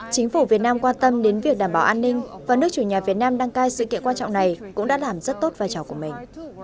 chính phủ việt nam quan tâm đến việc đảm bảo an ninh và nước chủ nhà việt nam đăng cai sự kiện quan trọng này cũng đã làm rất tốt vai trò của mình